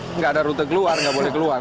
tidak ada rute keluar nggak boleh keluar